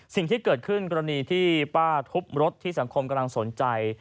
สิ่งที่เกิดขึ้นกรณีที่ป้าทุบรถที่สังคมกำลังสนใจ